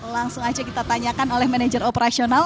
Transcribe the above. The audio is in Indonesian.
langsung aja kita tanyakan oleh manajer operasional